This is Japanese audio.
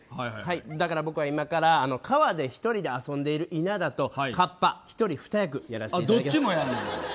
だから、僕は今から川で１人で遊んでいる稲田と河童１人２役やらせていただきます。